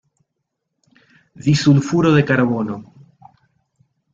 Disulfuro de carbono.